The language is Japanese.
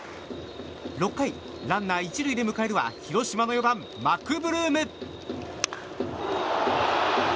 ６回、ランナー１塁で迎えるは広島の４番、マクブルーム。